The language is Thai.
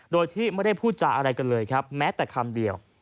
โดยที่ไม่ได้พูดจาอะไรกันเลยครับแม้แต่คำเดียว